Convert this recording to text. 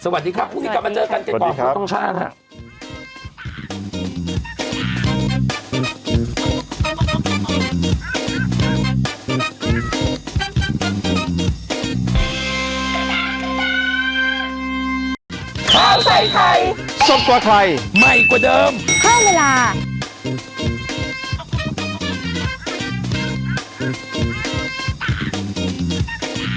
สวัสดีครับพวกนี้กลับมาเจอกันเจ็บต่อพี่ต้องช่างครับ